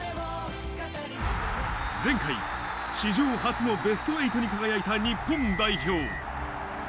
前回、史上初のベスト８に輝いた日本代表。